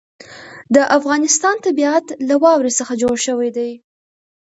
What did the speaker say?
د افغانستان طبیعت له واوره څخه جوړ شوی دی.